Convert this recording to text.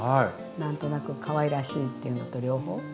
何となくかわいらしいっていうのと両方。